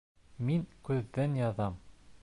Мин күҙҙән яҙам